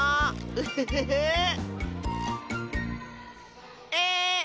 ウッフフフー！え